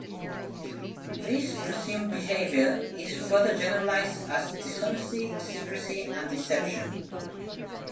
This presumed behavior is further generalized as dishonesty, secrecy, and deception.